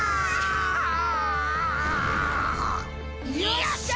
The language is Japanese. よっしゃ！